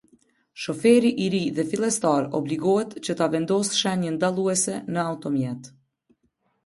Shoferi i ri dhe fillestar obligohet që ta vendosë shenjën dalluese në automjet.